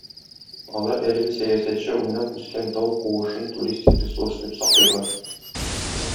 Алар әлеге сәясәтче уйнап үскән тау куышын туристик ресурс итеп саклыйлар.